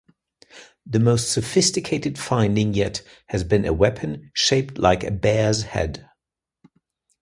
The most sophisticated finding yet has been a weapon shaped like a bear's head.